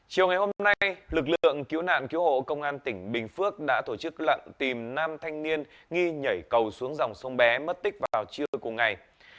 chiều ngày hôm nay lực lượng cứu nạn cứu hộ công an tỉnh bình phước đã tổ chức lận tìm năm thanh niên nghi nhảy cầu xuống dòng sông bé mất tích vào chiều cuối ngày